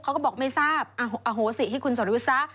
เขาก็บอกไม่ทราบอโหสิให้คุณสรวิทซะ